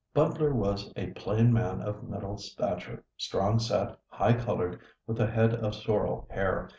Butler was a plain man of middle stature, strong set, high colored, with a head of sorrel hair.